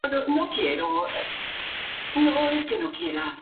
La localidad celebra sus fiestas patronales durante la última semana de agosto.